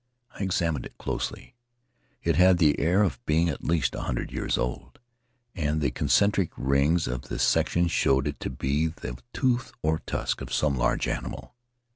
I examined it closely; it had the air of being at least a hundred years old, and the concentric rings of the section showed it to be the tooth or tusk of some large animal.